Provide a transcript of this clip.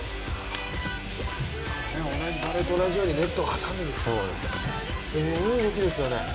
バレーと同じようにネットを挟んで、すごい動きですよね。